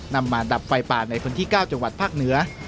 นำมาดับไฟป่าในพื้นที่๙จังหวัดภาคเหนือ